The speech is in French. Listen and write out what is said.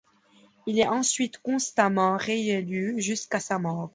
Il est ensuite constamment réélu jusqu'à sa mort.